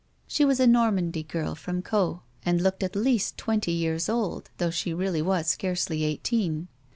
She was a Normandy girl from Caus, and looked at least twenty years old, though she really was scarcely eighteen.